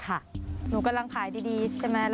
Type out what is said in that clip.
โชคลาฝาขายโดยเฉพาะเลยค่ะ